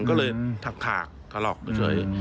ก็เลยถากถลอกไปเฉย